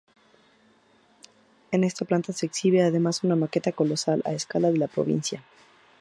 En esta planta se exhibe además una maqueta colosal a escala de la provincia.